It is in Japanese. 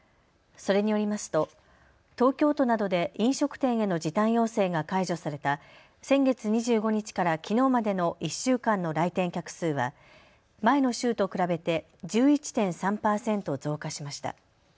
それによりますと東京都などで飲食店への時短要請が解除された先月２５日からきのうまでの１週間の来店客数は前の週と比べて１１．３％増加しました。